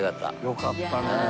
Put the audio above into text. よかったね。